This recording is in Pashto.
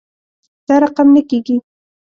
دا رقم نه کیږي